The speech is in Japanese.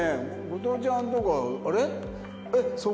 後藤ちゃんとか「あれ？」。